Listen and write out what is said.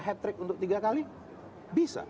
hat trick untuk tiga kali bisa